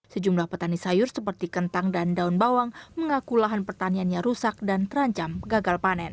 sejumlah petani sayur seperti kentang dan daun bawang mengaku lahan pertaniannya rusak dan terancam gagal panen